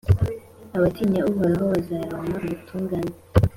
Abatinya Uhoraho bazaronka ubutungane,